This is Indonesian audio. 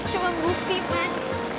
cuma bukti man